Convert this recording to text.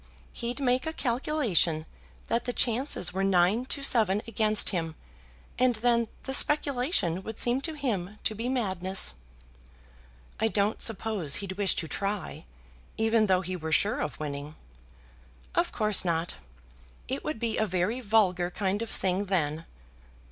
He'd make a calculation that the chances were nine to seven against him, and then the speculation would seem to him to be madness." "I don't suppose he'd wish to try, even though he were sure of winning." "Of course not. It would be a very vulgar kind of thing then.